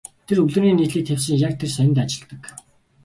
Тэр өглөөний нийтлэлийг тавьсан яг тэр сонинд ажилладаг.